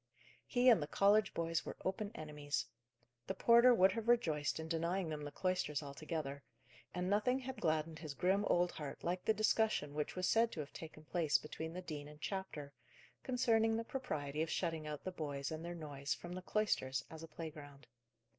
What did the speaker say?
He and the college boys were open enemies. The porter would have rejoiced in denying them the cloisters altogether; and nothing had gladdened his grim old heart like the discussion which was said to have taken place between the dean and chapter, concerning the propriety of shutting out the boys and their noise from the cloisters, as a playground.